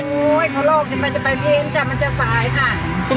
โหเขาออกเทียบไปเพลงจะมันจะสายค่ะ